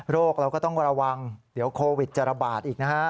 เราก็ต้องระวังเดี๋ยวโควิดจะระบาดอีกนะฮะ